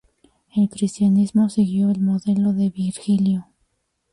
El cristianismo siguió el modelo de Virgilio.